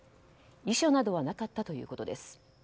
遺書などはなかったということです。